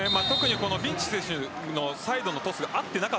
ビンチッチ選手のサイドのトスが合ってなくて